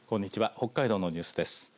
北海道のニュースです。